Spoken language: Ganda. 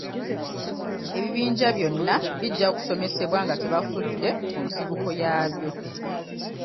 Ebibinja byonna bijja kusomesebwa nga tebafudde ku nsibuko yaabyo.